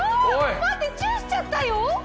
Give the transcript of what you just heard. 待ってチューしちゃったよ！？